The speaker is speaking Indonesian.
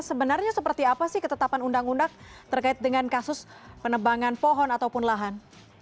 sebenarnya seperti apa sih ketetapan undang undang terkait dengan kasus penebangan pohon ataupun lahan